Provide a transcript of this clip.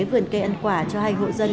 vườn cây ăn quả cho hai hộ dân